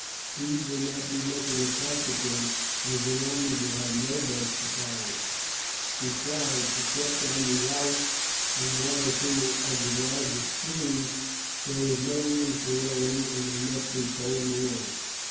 Speed would not be of much consequence, as the Romans will have no boats to follow us; besides, except on the Ouse and one or two of the larger streams, there is no room for rowing, and they must be poled along.